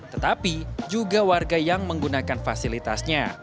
tetapi juga warga yang menggunakan fasilitasnya